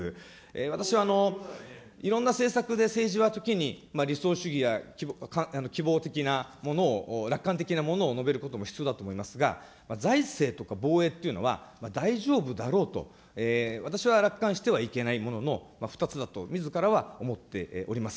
私はいろんな政策で政治は時に理想主義や希望的なものを、楽観的なものを述べることも必要だと思いますが、財政とか防衛というのは、大丈夫だろうと、私は楽観してはいけないものの２つだとみずからは思っております。